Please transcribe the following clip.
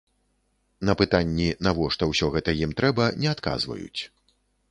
На пытанні, навошта ўсё гэта ім трэба, не адказваюць.